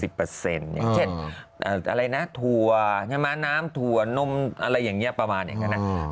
อย่างเช่นถั่วน้ำถั่วนมอะไรอย่างนี้ประมาณอย่างนั้นนะ